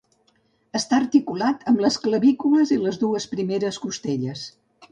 Està articulat amb les clavícules i les dues primeres costelles.